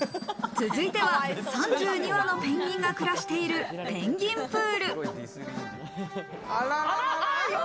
続いては３２羽のペンギンが暮らしているペンギンプール。